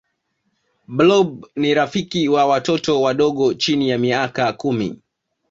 blob ni rafiki wa watoto wadogo chini ya miaka kumi